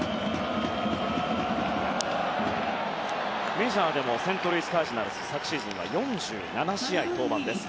メジャーでもセントルイス・カージナルスで昨シーズンは４７試合に登板です。